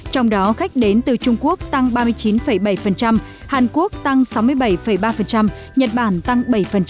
trong đó khách đến từ trung quốc tăng ba mươi chín bảy hàn quốc tăng sáu mươi bảy ba nhật bản tăng bảy